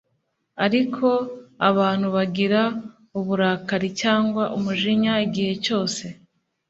Ariko abantu bagira uburakari cyangwa umujinya igihe cyose